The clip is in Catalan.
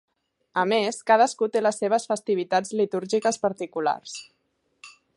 A més, cadascú té les seves festivitats litúrgiques particulars.